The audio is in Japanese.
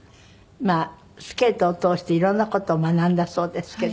スケートを通して色んな事を学んだそうですけど。